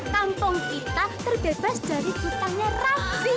kampung kita terbebas dari puteangnya ramji